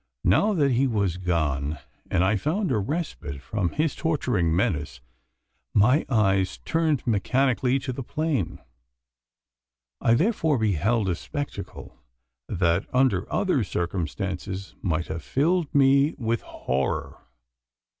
Now that he was gone, and I found a respite from his torturing menace, my eyes turned mechanically to the plain. I there beheld a spectacle, that under other circumstances might have filled me with horror.